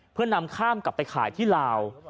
เพื่อนำข้ามกลับไปขายที่ลาว